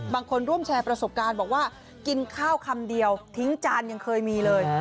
บางคนร่วมแชร์ประสบการณ์บอกว่ากินข้าวคำเดียวทิ้งจานยังเคยมีเลย